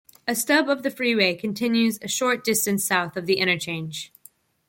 A stub of the freeway continues a short distance south of the interchange.